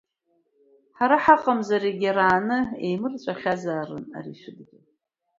Ҳара ҳаҟамзар, иагьараан еимырҵәахьазаарын ари шәыдгьыл.